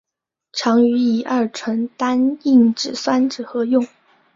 常与乙二醇单硬脂酸酯合用。